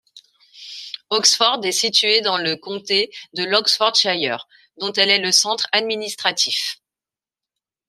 Oxford est située dans le comté de l'Oxfordshire dont elle est le centre administratif.